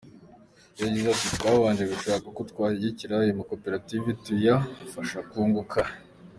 Yagize ati “ Twabanje gushaka uko twashyigikira ayo makoperative tuyafasha kunguka.